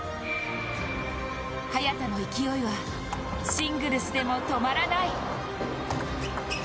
早田の勢いはシングルスでも止まらない。